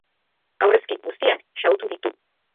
Aurrezki guztiak xahutu ditu.